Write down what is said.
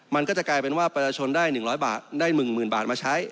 มันก็จะกลายเป็นว่าประชาชนได้๑๐๐บาทได้๑๐๐๐บาทมาใช้